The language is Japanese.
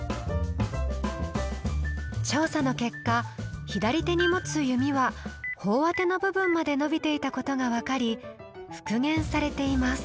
調査の結果左手に持つ弓は頬当ての部分まで伸びていたことが分かり復元されています。